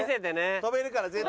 跳べるから絶対。